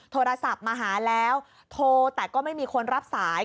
โทรศัพท์มาหาแล้วโทรแต่ก็ไม่มีคนรับสาย